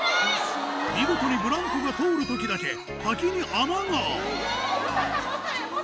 見事にブランコが通るときだけ滝に穴が黒沢さん